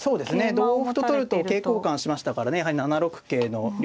同歩と取ると桂交換しましたからねやはり７六桂の両取りがありますので。